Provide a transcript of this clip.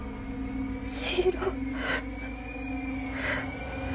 千尋。